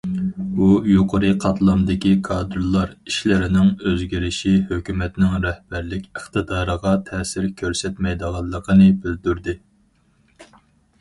ئۇ، يۇقىرى قاتلامدىكى كادىرلار ئىشلىرىنىڭ ئۆزگىرىشى ھۆكۈمەتنىڭ رەھبەرلىك ئىقتىدارىغا تەسىر كۆرسەتمەيدىغانلىقىنى بىلدۈردى.